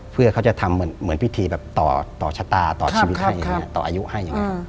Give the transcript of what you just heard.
เพื่อเขาจะทำเหมือนวิธีต่อชะตาต่อชีวิตให้ต่ออายุให้